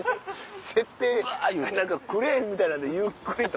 設定何かクレーンみたいなんでゆっくりと。